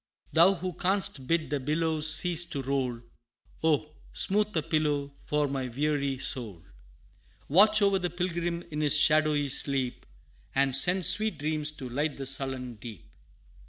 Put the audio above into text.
Thou who canst bid the billows cease to roll, Oh! smooth a pillow for my weary soul Watch o'er the pilgrim in his shadowy sleep, And send sweet dreams to light the sullen deep!'